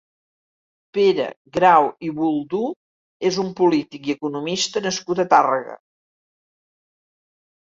Pere Grau i Buldú és un polític i economista nascut a Tàrrega.